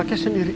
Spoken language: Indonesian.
kita jual rumah